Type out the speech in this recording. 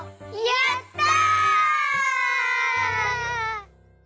やった！